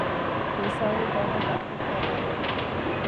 د احصایې اداره دقیقه ده؟